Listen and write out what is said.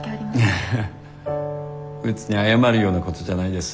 いえ別に謝るようなことじゃないです。